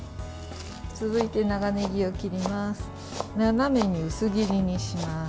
続いて、長ねぎを切ります。